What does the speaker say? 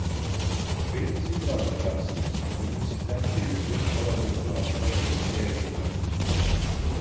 Belki siz de hatırlarsınız, yüzümü sizden çevirdim, orada oturanlara gülümseyerek döndüm: